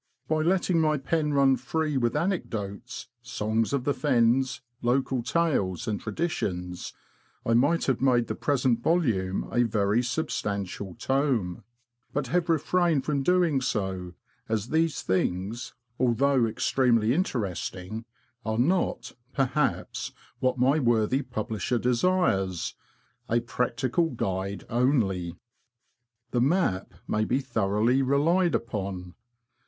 By letting my pen run free with anecdotes, songs of the fens, local tales, and traditions, I might VI PREFACE TO SECOND EDITION. have made the present volume a very substantial tome, but have refrained from doing so, as these things, although extremely interesting, are not, per haps, what my worthy publisher desires — ''a. practical guide only." The Map may be thoroughly relied upon.